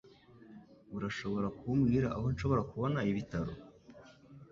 Urashobora kumbwira aho nshobora kubona ibitaro?